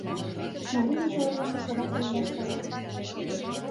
— Марий деч ойырлышо садак еҥгаш савырна.